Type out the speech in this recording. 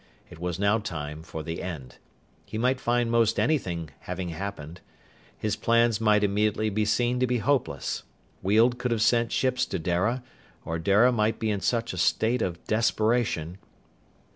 It was now time for the end. He might find most anything having happened. His plans might immediately be seen to be hopeless. Weald could have sent ships to Dara, or Dara might be in such a state of desperation....